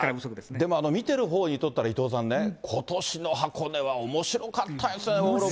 でも見てるほうにとったら、伊藤さんね、ことしの箱根はおもしろかったですね、往路も復路も。